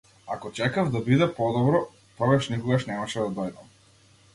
Ако чекав да биде подобро, тогаш никогаш немаше да дојдам.